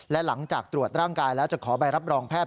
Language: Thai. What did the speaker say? และหลังจากตรวจร่างกายแล้วจะขอใบรับรองแพทย